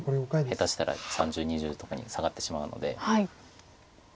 下手したら３０２０とかに下がってしまうので。